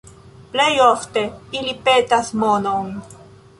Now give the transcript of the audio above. Plej ofte ili petas monon.